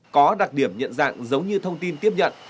có đặc điểm nhận dạng giống như thông tin tiếp nhận